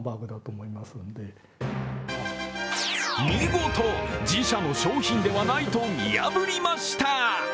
見事、自社の商品ではないと見破りました。